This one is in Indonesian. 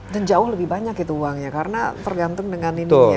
dan jauh lebih banyak itu uangnya karena tergantung dengan ini ya